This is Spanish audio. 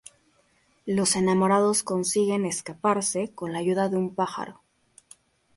Los enamorados consiguen escaparse con la ayuda de un pájaro.